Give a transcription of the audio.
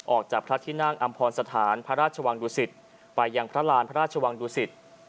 ออกจากพระที่นั่งอำพรสถานพระราชวังดุสิตไปยังพระราณพระราชวังดุสิต